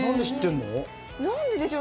なんででしょう？